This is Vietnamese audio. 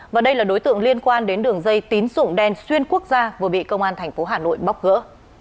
và đây là đối tượng liên quan đến đường dây tín sụng đen xuyên quốc gia vừa bị công an thành phố hà nội bóc gỡ